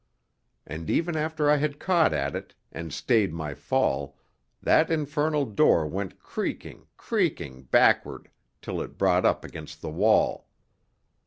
And even after I had caught at it, and stayed my fall, that infernal door went creaking, creaking backward till it brought up against the wall.